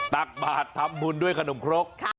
ตักบาททำบุญด้วยขนมครก